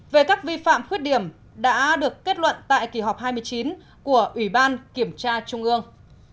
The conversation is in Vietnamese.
về các vi phạm khuyết điểm đã được kết luận tại kỳ họp hai mươi chín của ủy ban kiểm tra trung ương